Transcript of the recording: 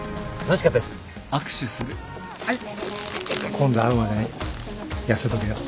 今度会うまでに痩せとけよ。